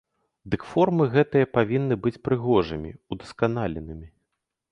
Дык формы гэтыя павінны быць прыгожымі, удасканаленымі.